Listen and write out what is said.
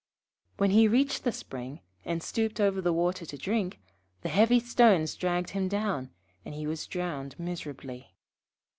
}] When he reached the spring, and stooped over the water to drink, the heavy stones dragged him down, and he was drowned miserably.